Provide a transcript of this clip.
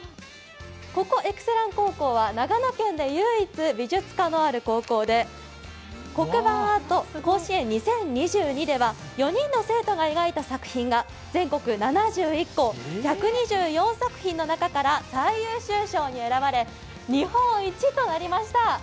ここエクセラン高校は長野県で唯一、美術科のある高校で黒板アート甲子園２０２２では４人の生徒が描いた作品が全国７１校１２４作品の中から最優秀賞に選ばれ、日本一となりました。